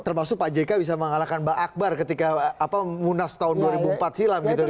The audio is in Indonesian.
termasuk pak jk bisa mengalahkan bang akbar ketika munas tahun dua ribu empat silam gitu